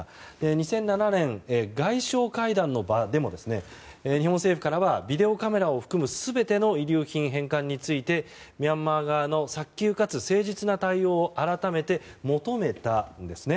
２００７年、外相会談の場でも日本政府からはビデオカメラを含む全ての遺留品返還についてミャンマー側の早急かつ誠実な対応を改めて求めたんですね。